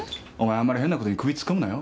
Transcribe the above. あんまり変なことに首突っ込むなよ。